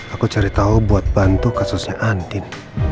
aku cari tahu buat bantu kasusnya andin